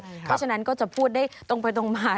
เพราะฉะนั้นก็จะพูดได้ตรงไปตรงมา